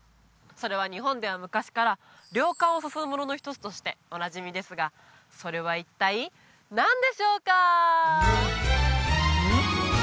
それは日本では昔から涼感を誘うものの一つとしておなじみですがそれは一体何でしょうか？